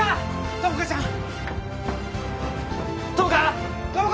友果ちゃん友果？